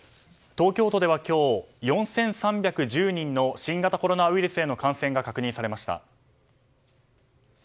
東京都では今日４３１０人の新型コロナウイルスへの感染が確認されました。